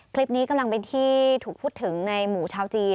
คลิปนี้กำลังเป็นที่ถูกพูดถึงในหมู่ชาวจีน